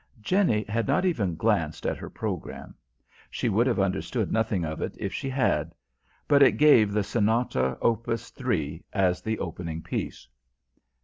Jenny had not even glanced at her programme; she would have understood nothing of it if she had; but it gave the Sonata, Op. III, as the opening piece.